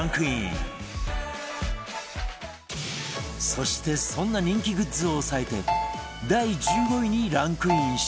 そしてそんな人気グッズを抑えて第１５位にランクインしたのは